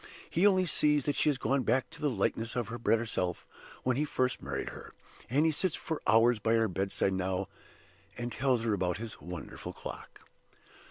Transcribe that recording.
He only sees that she has gone back to the likeness of her better self when he first married her; and he sits for hours by her bedside now, and tells her about his wonderful clock.